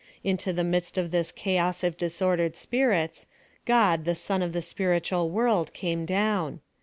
Into the midst of this chaos of disordered spirits, God, the Sun of the spiritual world, came down.